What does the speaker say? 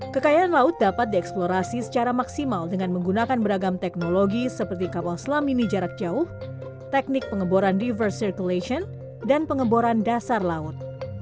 kekayaan laut dapat dieksplorasi secara maksimal dengan menggunakan beragam teknologi seperti kapal selam mini jarak jauh teknik pengeboran river circulation dan pengeboran dasar laut